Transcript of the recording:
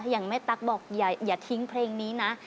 อย่างแม่ตั๊กบอกอย่าทิ้งเพลงนี้นะ